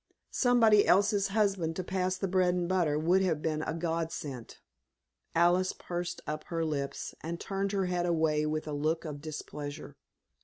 Somebody else's husband to pass the bread and butter would have been a godsend!" Alice pursed up her lips, and turned her head away with a look of displeasure.